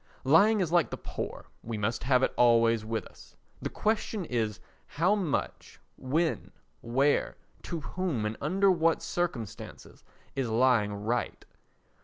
Lying is like the poor, we must have it always with us. The question is, How much, when, where, to whom and under what circumstances is lying right?